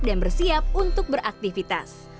dan bersiap untuk beraktivitas